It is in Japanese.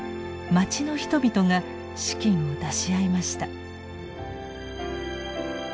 町の人々が資金を出し合いました。